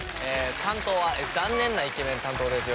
担当は残念なイケメン担当です。